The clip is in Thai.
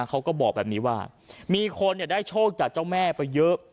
เขาก็บอกแบบนี้ว่ามีคนได้โชคจากเจ้าแม่ไปเยอะ